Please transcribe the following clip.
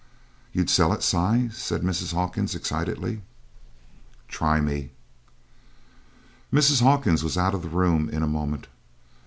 "You'd sell it, Si!" said Mrs. Hawkins excitedly. "Try me!" Mrs. Hawkins was out of the room in a moment.